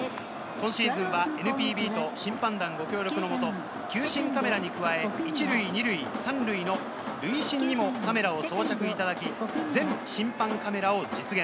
今シーズンはＮＰＢと審判団ご協力のもと、球審カメラに加え、１塁・２塁・３塁の塁審にもカメラを装着いただき、全審判カメラを実現。